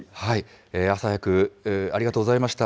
朝早くありがとうございました。